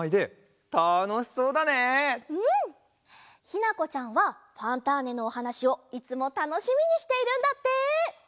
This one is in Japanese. ひなこちゃんは「ファンターネ！」のおはなしをいつもたのしみにしているんだって！